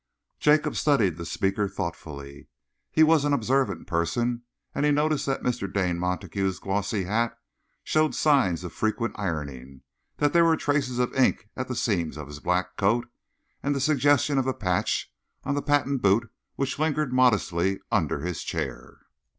Jacob studied the speaker thoughtfully. He was an observant person, and he noticed that Mr. Dane Montague's glossy hat showed signs of frequent ironing, that there were traces of ink at the seams of his black coat, and the suggestion of a patch on the patent boot which lingered modestly under his chair.